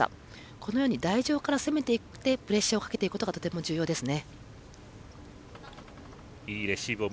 このように台上から攻めていってプレッシャーをかけていくことがとても重要ですね。